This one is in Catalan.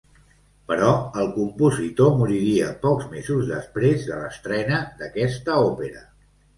Però el compositor moriria pocs mesos després de l'estrena d'aquesta òpera.